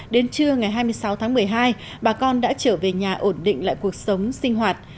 đến trưa ngày hai mươi sáu tháng một mươi hai bà con đã trở về nhà ổn định lại cuộc sống sinh hoạt